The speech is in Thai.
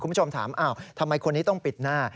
คุณผู้ชมถามทำไมคนนี้ต้องปิดหน้า